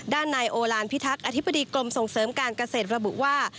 ด้านนายโอลานพิทักษอธิบดีกรมส่งเสริมการเกษตรระบุว่า